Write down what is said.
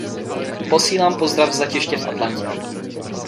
Posílám pozdrav z letiště v Atlantě.